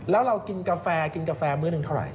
แล้วเรากินกาแฟกินกาแฟมื้อหนึ่งเท่าไห